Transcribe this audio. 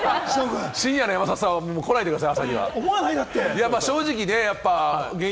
深夜の山里さん、朝に来ないでください！